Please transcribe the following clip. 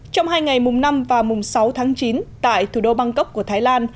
trong hai ngày mùng năm và mùng sáu tháng chín tại thủ đô bangkok của thái lan